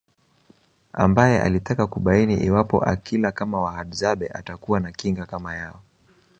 Ambae alitaka kubaini iwapo akila kama Wahadzabe atakuwa na kinga kama yao